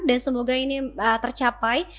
dan semoga ini tercapai